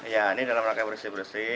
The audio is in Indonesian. ya ini dalam rangkai bersih bersih